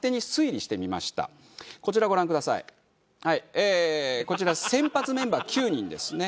えーこちら先発メンバー９人ですね。